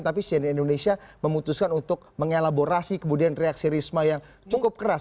tapi cnn indonesia memutuskan untuk mengelaborasi kemudian reaksi risma yang cukup keras